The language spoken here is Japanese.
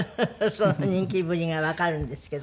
その人気ぶりがわかるんですけど。